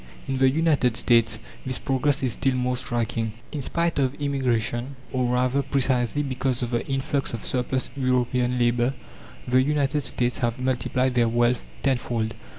In the United States this progress is still more striking. In spite of immigration, or rather precisely because of the influx of surplus European labour, the United States have multiplied their wealth tenfold.